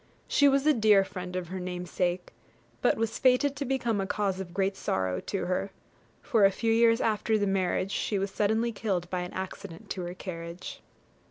She was a dear friend of her namesake, but was fated to become a cause of great sorrow to her, for a few years after the marriage she was suddenly killed by an accident to her carriage.